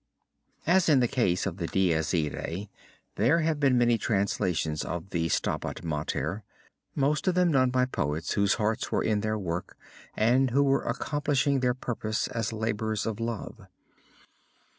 As in the case of the Dies Irae there have been many translations of the Stabat Mater, most of them done by poets whose hearts were in their work and who were accomplishing their purpose as labors of love.